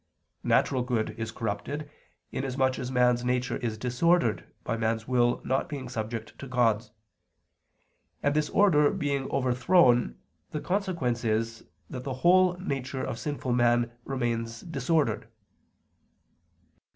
Natural good is corrupted, inasmuch as man's nature is disordered by man's will not being subject to God's; and this order being overthrown, the consequence is that the whole nature of sinful man remains disordered.